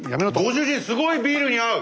ご主人すごいビールに合う！